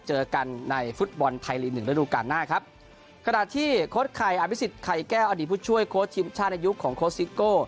เจอกันในฟุตบอลไทยลีกหนึ่งระดูการหน้าครับขณะที่โค้ดไข่อภิษฎไข่แก้วอดีตผู้ช่วยโค้ชทีมชาติในยุคของโค้ชซิโก้